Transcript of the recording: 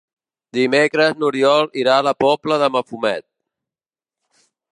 Dimecres n'Oriol irà a la Pobla de Mafumet.